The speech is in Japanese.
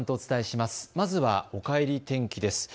まずはおかえり天気です。